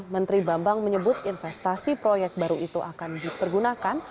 menteri bambang menyebut investasi proyek baru itu akan dipergunakan